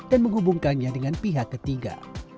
dan menghubungkannya dengan pihak ketiga